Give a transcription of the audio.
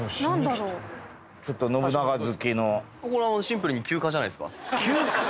これはシンプルに休暇じゃないですか？